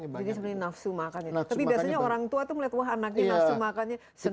tapi biasanya orang tua tuh melihat anaknya nafsu makan senang